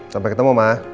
sampai ketemu ma